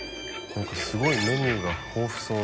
何かすごいメニューが豊富そう。